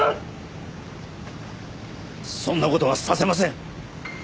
そんな事はさせません。